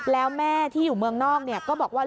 แล้วแม่ที่อยู่เมืองนอกก็บอกว่า